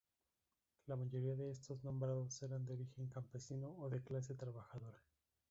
La mayoría de estos nombrados eran de origen campesino o de clase trabajadora.